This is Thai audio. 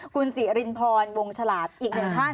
คุณสิรินพรวงฉลาดอีกหนึ่งท่าน